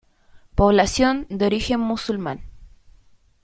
Población de origen musulmán.